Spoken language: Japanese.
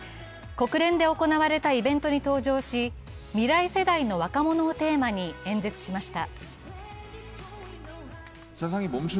国連で行われたイベントに登場し、未来世代の若者をテーマに演説しました。